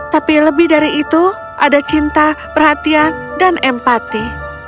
tapi lebih dari itu ada cinta perhatian dan empati